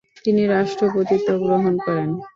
তিনি রাষ্ট্রপতিত্ব গ্রহণ করেন।